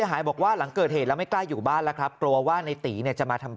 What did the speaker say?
หายบอกว่าหลังเกิดเหตุแล้วไม่กล้าอยู่บ้านแล้วครับกลัวว่าในตีเนี่ยจะมาทำ